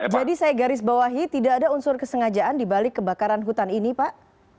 jadi saya garis bawahi tidak ada unsur kesengajaan dibalik kebakaran hutan ini pak